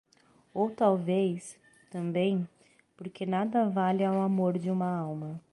ou talvez, também, porque nada valha o amor de uma alma